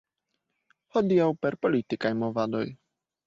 Hodiaŭ per politikaj movadoj.